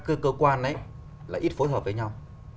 cơ quan ấy là ít phối hợp với nhau